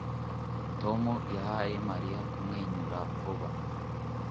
Tom yahaye Mariya kumwenyura vuba